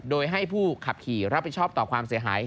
โดยให้ผู้ขับขี่รับผิดชอบต่อความเสียหาย